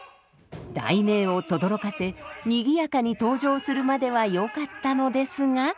雷鳴をとどろかせ賑やかに登場するまではよかったのですが。